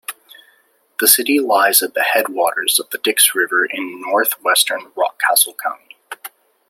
The city lies at the headwaters of the Dix River in northwestern Rockcastle County.